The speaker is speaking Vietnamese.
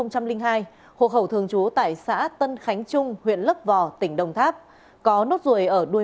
năm hai nghìn hai hộ hậu thường trú tại xã tân khánh trung huyện lấp vò tỉnh đồng tháp có nốt ruồi ở đuôi